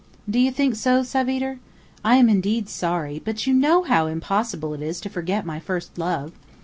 "Do you think so, Savitre? I am indeed sorry; but you know how impossible it is to forget my first love.